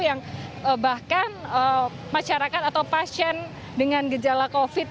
yang bahkan masyarakat atau pasien dengan gejala covid